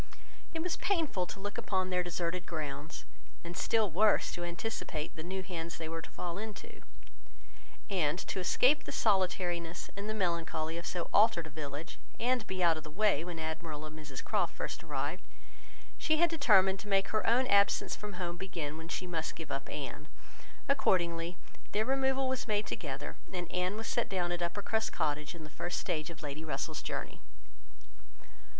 It was painful to look upon their deserted grounds, and still worse to anticipate the new hands they were to fall into; and to escape the solitariness and the melancholy of so altered a village, and be out of the way when Admiral and Mrs Croft first arrived, she had determined to make her own absence from home begin when she must give up Anne. Accordingly their removal was made together, and Anne was set down at Uppercross Cottage, in the first stage of Lady Russell's journey.